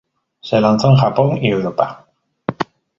Se lanzó en Japón y Europa.